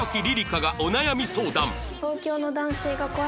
夏がお悩み相談